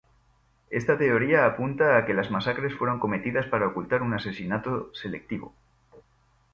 Esta teoría apunta a que las masacres fueron cometidas para ocultar un asesinato selectivo.